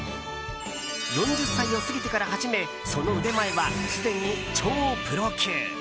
４０歳を過ぎてから始めその腕前は、すでに超プロ級。